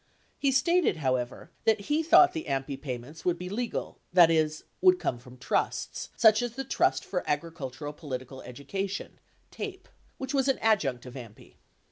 He stated, however, that he thought the AMPI payments would be legal, that is, would come from trusts, such as the Trust for Agricul tural Political Education (TAPE), which was an adjunct of AMPI.